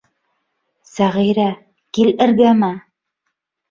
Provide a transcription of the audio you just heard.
Сәғирә, кил эргәмә!